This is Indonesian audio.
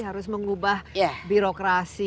harus mengubah birokrasi